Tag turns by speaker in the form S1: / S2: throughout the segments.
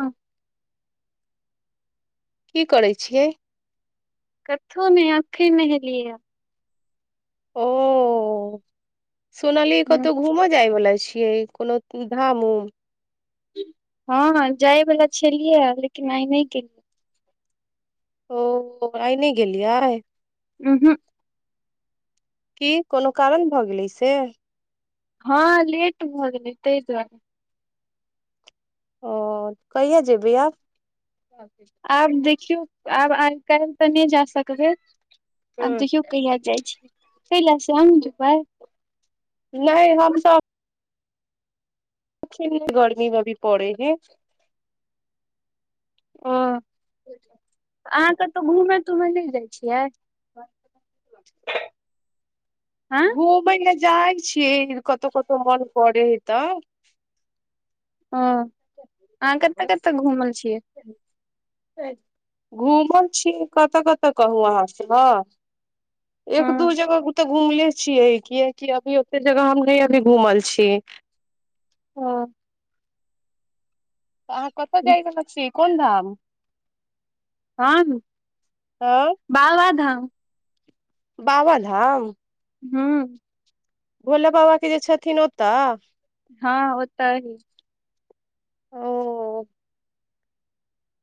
S1: हँ
S2: की करै छियै
S1: कथो नहि अखिन नहेलियै या
S2: ओ सुनलियै कतहु घूमऽ जाइ वला छी के कोनो की धाम उम
S1: हँ जायवला छलियै या लेकिन आइ नहि गेलियै
S2: ओ आइ नहि गेलियै
S1: उँ हूँ
S2: की कोनो कारण भऽ गेलै से
S1: हँ लेट भऽ गेलै ताहि दुआरे
S2: ओ कहिया जेबै आब [unintelligible]
S1: -खियौ आब आइ काल्हि तऽ नहि जा सकबै आब
S2: हूं
S1: देखियौ कहिया जाइ छी कै लऽ से अहुँ जेबै
S2: नहि हमसब [unintelligible]
S1: ह
S2: [inaudible]
S1: अहाँ के तो घूमे तूमे नहि जाय छियै
S2: [inaudible]
S1: हँ
S2: [unintelligible] जाइ छियै कतहु कतहु मन करे है तऽ
S1: ह अहाँ कतऽ कतऽ घुमल छियै
S2: घूमल छी कतय कतय कहू अहाँसँ
S1: हँ
S2: एक दू जगह क तऽ घूमले छियै कियकि अभी ओते जगह हम नहि अभी घुमल छी
S1: हँ
S2: तऽ अहाँ कतय जाय रहल छी कोन धाम
S1: हम बाबाधाम
S2: बाबा धाम
S1: ह्म
S2: भोला बाबाक के जे छथिन ओतऽ
S1: हँ ओतहि
S2: ओ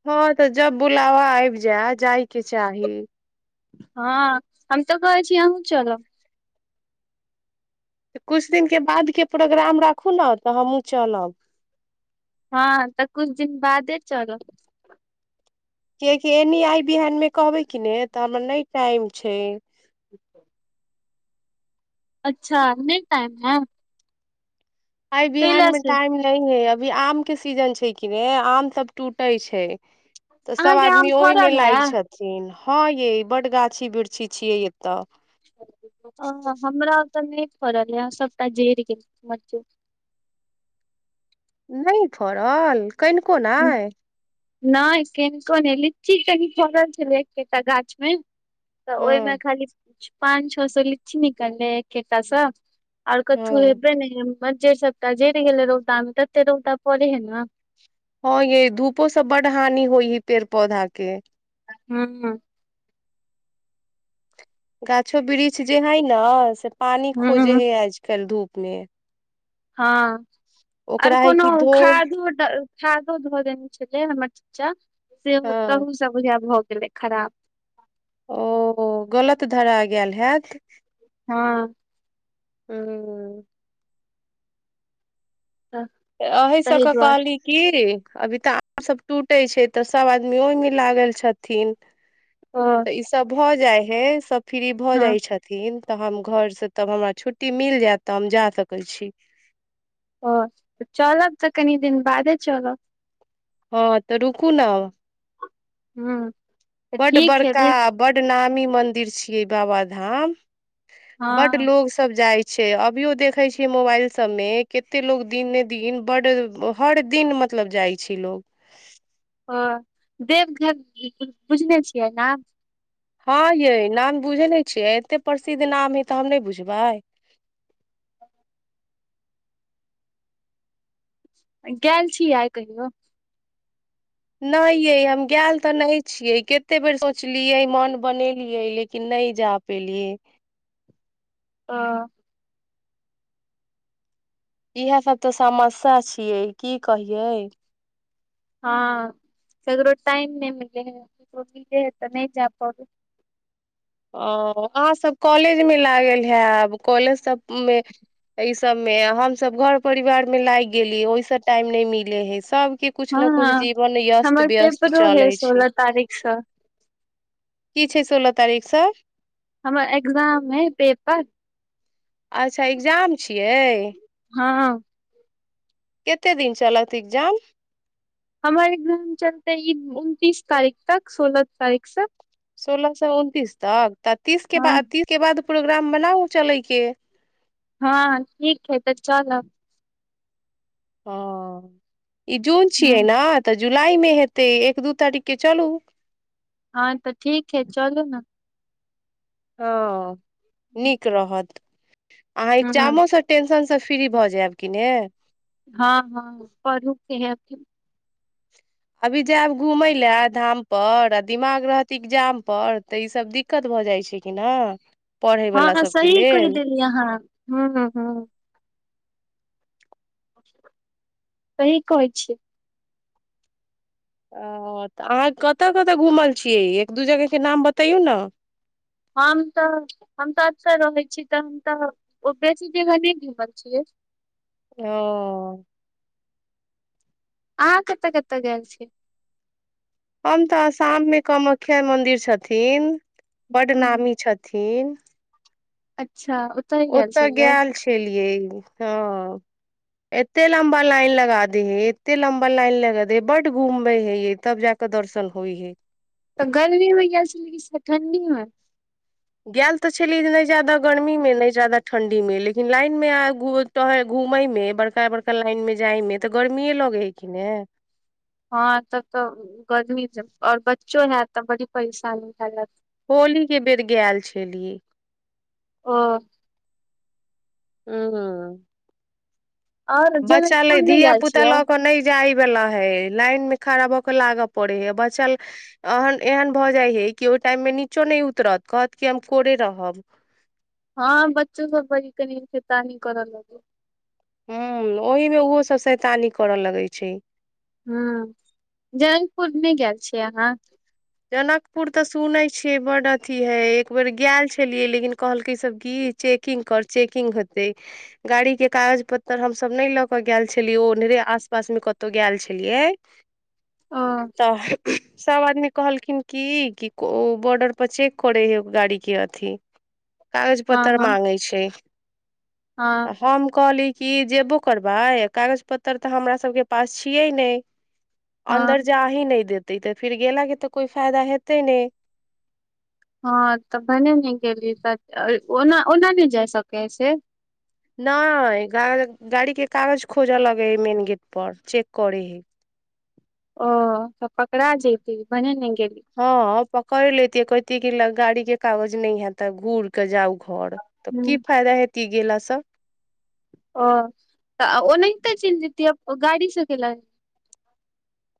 S2: हँ तऽ जब बुलाबा आबि जाय जायके चाही
S1: हँ हम तऽ कहै छी आहूँ चलब
S2: तऽ किछु दिनके बादके प्रोग्राम राखू ने तऽ हमहूँ चलब
S1: हँ तऽ कुछ दिन बादे चलब
S2: कियकि एनी आइ बिहान मे कहबै कि ने तऽ हमर नहि टाइम छै
S1: अच्छा नहि टाइम है
S2: आइ बिहान
S1: कैला
S2: मे
S1: से
S2: टाइम नहि है अभी आम के सीजन छै कि ने आम सब टूटै छै तऽ सब
S1: अहाँके आम
S2: आदमी ओहिमे
S1: फड़ल है
S2: लागि छथिन हँ ये बड गाछी वृक्षी छियै एतऽ
S1: अ हमरा तऽ नहि फड़ल यऽ सबटा जरि गेल मजजूर
S2: नहि फड़ल कनिकोनहि
S1: नहि केनिको नहि लीची कनि फड़ल छलै एके ता गाछ मे तऽ ओहिमे
S2: हँ
S1: खाली पांच छओ सए लीच निकलै एकेटा स आओर कथु
S2: हँ
S1: हेब ने मज्जर सबटा जरि गेलै रौदा मे तते रौदा पड़े हे ने
S2: हँ यै धूपो से बड हानि होइ हय पेड़ पौधा के
S1: हँ
S2: गाछो वृक्ष जे हइ ने से पानि खोजे
S1: हूँ
S2: है आजकल धूप मे
S1: हँ आर
S2: ओकरा है
S1: कोनो
S2: कि धो
S1: खादो खादो धऽ देने छलै हमर चचा सेहो
S2: हँ
S1: तहु से बुझाय यै भऽ गेलै खराब
S2: ओ गलत धरा गेल हैत
S1: हँ
S2: ह
S1: तऽ ताहि
S2: अहिसक
S1: दुआरे
S2: कहली कि अभी तऽ आम सभ टूटे छै तऽ सभ आदमी ओहिमे लागल छथिन
S1: ओ
S2: तऽ ई सब भऽ जाइ है सब फ्री भऽ
S1: हँ
S2: जाइ छथिन तऽ हम घर से तब हमरा छुट्टी मिल जायत तऽ हम जा सकै छी
S1: ओ चलब तऽ कनि दिन बादे चलब
S2: हँ तऽ रुकू ने
S1: हँ
S2: बड बड़का बड नामी मंदिर छियै बाबाधाम बड
S1: हँ
S2: लोग सब जाइ छै अभियो देखैत छियै मोबाइल सभमे कतेक लोको दिनने ने दिन बड्ड हर दिन मतलब जाइ छै लोको
S1: ओ देवघर बुझने छियै नाम
S2: हँ यै नाम बुझै नहि छियै एते प्रसिद्ध नाम है तऽ हम नहि बुझबै
S1: गेल छियै कहियो
S2: नहि यै हम गैल तऽ नहि छियै कतेक बेर सोचलियै मन बनेलियै लेकिन नहि जा पेलियै
S1: ओ
S2: इहै सब तऽ समस्या छियै की कहियै
S1: हँ ककरो टाइम नहि मिलै हइ ककरो मिले ह तऽ नहि जा पबै
S2: ओ अहाँसभ कॉलेजमे लागल हैब कॉलेजसभमे एहिसभमे हमसभ घर परिवारमे लागि गेली ओहिसँ टाइम नहि मिलै हइ सभ के कुछ
S1: हँ
S2: ने कुछ जीवन व्यस्त
S1: हमर
S2: व्यस्त
S1: पेपरो है
S2: चलै छै
S1: सोलह तारीख सँ
S2: की छै सोलह तारीख सँ
S1: हमर एग्जाम नै पेपर
S2: अच्छा एग्जाम छियै
S1: हँ
S2: कते दिन चलत एकग्जाम
S1: हमर एक्जाम चलतेै इ उनतीस तारीख तक सोलह तारीख से
S2: सोलह सए उनतीस तक तऽ तीस के
S1: हँ
S2: तीस के बाद प्रोग्राम बनाउ चलैके
S1: हँ ठीक हइ तऽ चलब
S2: इ जून
S1: ह
S2: छियै ना जुलाई मे हेतै एक दू तारीख के चलू
S1: हँ तऽ ठीक हइ चलू न
S2: हँ नीक रहत अहाँ
S1: ह
S2: एग्जामो स टेंशन स फ्री भऽ जायब की ने
S1: हँ हँ पढ़ू के हेथिन
S2: अभी जायब घूमै लाए धामपर आ दिमाग रहत इग्जामपर तऽ ईसभ दिक्कत भऽ जाइ छै की न
S1: हँ सही कहि देली अहाँ ह ह सही कहै छियै
S2: ओ तऽ अहाँ कतय कतय घूमल छियै एक दू जगहके नाम बतैयौ ने
S1: हम तऽ हम तऽ एतय रहै छी तऽ हम तऽ ओ बेसी जगह नहि घूमल छियै
S2: ओ
S1: अहाँ कतय कतय गेल छी
S2: हम तऽ आसाममे कामाख्या मन्दिर छथिन बड
S1: ह
S2: नामी छथिन
S1: अच्छा ओतऽ ही गेल
S2: ओतय
S1: छलियै
S2: गेल छलियै हँ एते लम्बा लाइन लगा दे हे एते लम्बा लाइन लगा दे हे बड्ड घुमबै हे ये तब जा कऽ दर्शन होइ हे
S1: तऽ गर्मी मे गेल छलियै कि ठंडी मे
S2: गेल तऽ छली जे नहि ज्यादा गर्मीमे नहि ज्यादा ठण्ढीमे लेकिन लाइनमे आ टह घूमयमे बड़का बड़का लाइनमे जायमे तऽ गर्मिए लगै हेकिन हे
S1: हँ तब तऽ गर्मी आओर बच्चो हैत तऽ बड़ी परैेशानी भैल हैत
S2: होली के बेर गैल छलियै
S1: ओ
S2: ह्म
S1: और जहन
S2: बच्चा ले
S1: स्कुल नहि
S2: धिया
S1: गेल
S2: पुता
S1: छियै
S2: लऽ के नहि जाइ वला हे लाइन मे खड़ा भऽ के लागऽ पड़े हे बच्चा एहन भऽ जाय हे कि ओहि टाइम मे नीचो नहि उतरत कहत कि हम कोरे रहब
S1: हँ बच्चोसभ बड़ी कनि फेतानीऐ करय लगल
S2: ह्म ओहीमे ओहोसभ सैतानी करय लगै छै
S1: ह जनकपुरमे गेल छियै अहाँ
S2: जनकपुर तऽ सुनै छियै बड्ड अथि हइ एक बेर गल छलियै लेकिन कहलकै सभ की चेकिंग कर चेकिंग हेतै गाड़ीके कागज पत्तर हमसभ नहि लऽ कऽ गेल छलियै ओ ओन्हरे आस पासमे कतहु गेल छलियै
S1: ओ
S2: तऽ सब आदमी कहलखिन की कि ओ बॉर्डर पर चेक करै है गाड़ी के अथि कागज
S1: हँ
S2: पतत्र
S1: हँ
S2: माँंगे छै
S1: हँ
S2: हम कहली क जेबो करबै कागज पत्तर तऽ हमरा सबके पास छियै ने अन्दर
S1: हँ
S2: जा ही नहि देत तऽ तऽ फिर गेला तऽ कोइ फायदा हेतै नहि
S1: हँ तऽ भने नहि गेली तऽ ओना ओना नहि जाइ सके है से
S2: नहि गाड़ गाड़ी के कागज खोजऽ लगे हइ मेन गेट पर चेक करे हइ
S1: ओ तऽ पकड़ा जती भने ने
S2: [unintelligible] केलक गाड़ी के कागज नहि है तऽ घूर के जाउ घर तऽ की
S1: हूँ
S2: फायदा हेतै गेलासँ
S1: ओ तऽ ओनाहिते चलि जतियै गाड़ी स कैलाए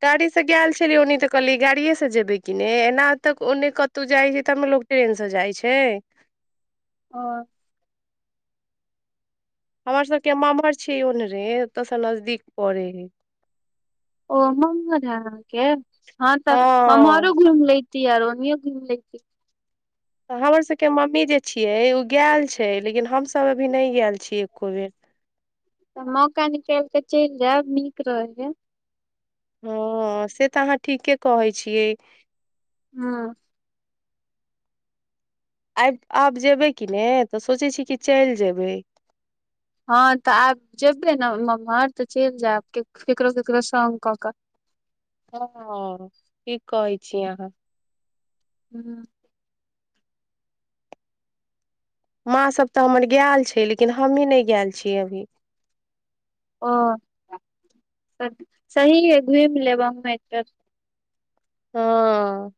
S2: गाड़ीसँ गेल छलियै ओन्नी तऽ कहलियै गाड़िएसँ जेबै की ने एना तक ओन्ने कतहु जाइ छै तब न लोक ट्रेनसँ जाइ छै
S1: आ
S2: हमर सभके मम्हर छियै ओनरे ओतयसँ नजदीक पड़ै हइ
S1: ओ मम्महर है अहाँके हँ तऽ
S2: हँ
S1: मम्महरो घूम लैती आरो उऐं घूम लैती
S2: तऽ हमर सभके मम्मी जे छियै ओ गैल छै लेकिन हमसभ अभी नहि गैल छियै एक्को बेर
S1: तऽ मौका निकालि कऽ चलि जायब नीक रहैए
S2: हँ से तऽ अहाँ ठीके कहै छियै
S1: हँ
S2: आइ आब जेयबै कि ने तऽ सोचै छियै की चलि जेयबै
S1: हँ तऽ आब जेबै ने मम्हर तऽ चलि जायब ककरो ककरो सङ्ग कऽ कऽ
S2: हँ-अ ठीक कहै छी अहाँ
S1: हूँ
S2: माँ सभ तऽ हमर गैल छै लेकिन हमहीँ नहि गैल छियै अभी
S1: ओ सही हइ घूमि लेब अहाँ एक बेर
S2: हँ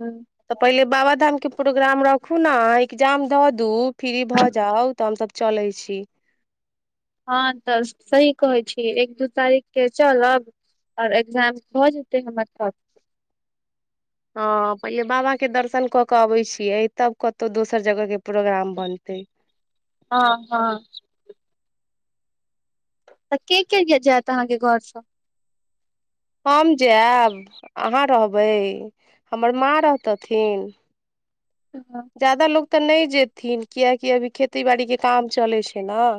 S1: हूँ
S2: तऽ पहिले बाबा धाम के प्रोग्राम राखु ने एग्जाम द दू फ्री भऽ जाउ तऽ हम तऽ चलै छी
S1: हँ तऽ सही कहै छी एक दू तारीखके चलब आओर एग्जाम भऽ जेतै हमर तहन
S2: हँ पहिले बाबा के दर्शन कऽ केऽ अबै छियै, तब कतहु दोसर जगहके प्रोग्राम बनते
S1: हँ हँ तऽ के के जे जायत अहाँके घरसँ
S2: हम जैब, अहाँ रहबै, हमर माँ रहतथिन जादा लोक तऽ नय जेथिन कियकि अभी खेती बाड़ी के काम चलै छै न।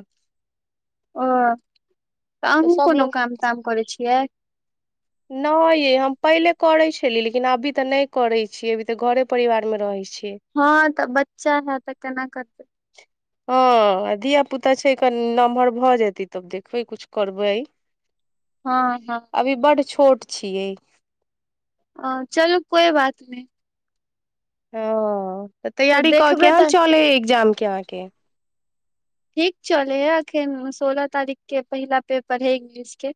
S1: ओ, तऽ अहूँ कोनो काम ताम करै छियै?
S2: नहि यइ हम पहिले करैत छलियै लेकिन अभी तऽ नहि करैत छीियै अभी तऽ घरे परिवारमे रहैत छी
S1: हँ तऽ बच्चा है तऽ केना करबे
S2: हँ धियापुता छै क नमहर भऽ जतै तब देखबै कछु करबै
S1: हँ हँ
S2: अभी बड छोट छियै
S1: अ चलु कोइ बात नय
S2: [inaudible] तऽ
S1: तऽ
S2: तैयारी कऽ
S1: देखबै
S2: केहेन
S1: तऽ
S2: चले एग्जाम क्यके
S1: ठीक चलै है अखन सोलह तारीख के पहिला पेपर है, इंग्लिश के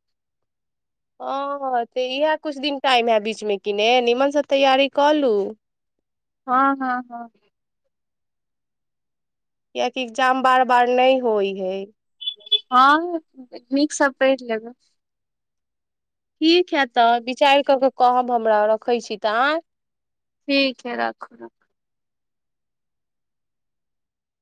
S2: हँ तऽ इएह किछु दिन टाइम हए बीच मे कि ने नीमन स तैयारी कऽ लू
S1: हँ हँ हँ
S2: कियकि एग्जाम बार-बार नय होइ हे।
S1: हँऽ, नीक स पऽढ़ लेबै।
S2: ठीक हए तऽ विचार कऽ कऽ कहब हमरा रखैत छी तऽ आय
S1: ठीक है राखू-राखू।